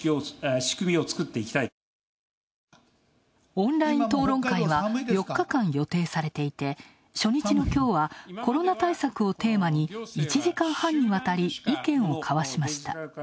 オンライン討論会は４日間予定されていて初日のきょうはコロナ対策をテーマに１時間半にわたり、意見を交わしました。